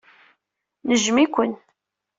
Nejjem-iken.